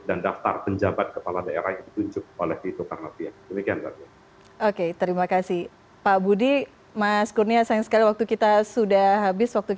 dan daftar penjabat kepala daerah yang ditunjuk oleh itu